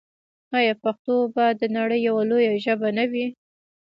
آیا پښتو به د نړۍ یوه لویه ژبه نه وي؟